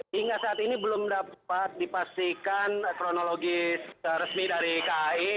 hingga saat ini belum dapat dipastikan kronologi resmi dari kai